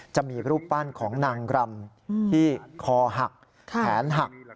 จะมีรูปปั้นของนางรำที่คอหักแขนหัก